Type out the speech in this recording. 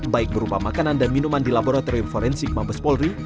baik berupa makanan dan minuman di laboratorium forensik mabes polri